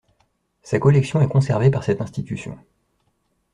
Sa collection est conservée par cette institution.